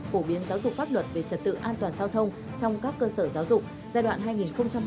phổ biến giáo dục pháp luật về trật tự an toàn giao thông trong các cơ sở giáo dục giai đoạn hai nghìn một mươi tám hai nghìn hai mươi